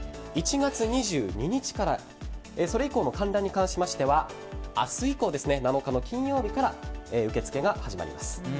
１月２２日からそれ以降の観覧に関しては明日以降、７日の金曜日から受け付けが始まります。